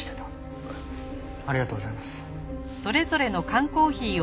ありがとうございます。